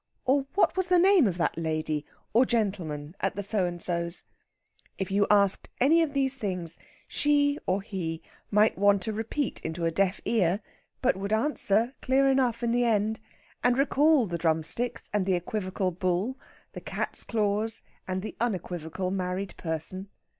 or, what was the name of that lady (or gentleman) at the So and so's? if you asked any of these things, she or he might want a repeat into a deaf ear but would answer clear enough in the end, and recall the drumsticks and the equivocal bull, the cat's claws, and the unequivocal married person.